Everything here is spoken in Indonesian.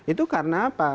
itu karena apa